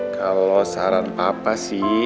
kalau saran papa sih